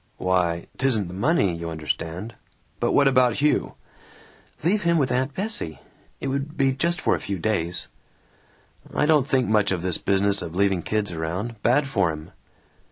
"Why 'Tisn't the money, you understand. But what about Hugh?" "Leave him with Aunt Bessie. It would be just for a few days." "I don't think much of this business of leaving kids around. Bad for 'em."